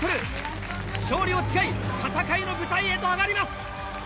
勝利を誓い戦いの舞台へと上がります！